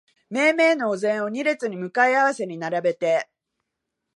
めいめいのお膳を二列に向かい合わせに並べて、